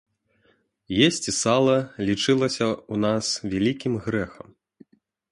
Есці сала лічылася ў нас вялікім грэхам.